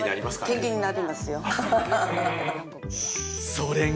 それが。